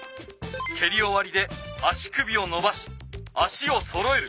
けりおわりで足首をのばし足をそろえる。